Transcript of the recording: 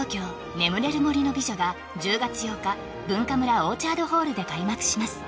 「眠れる森の美女」が１０月８日Ｂｕｎｋａｍｕｒａオーチャードホールで開幕します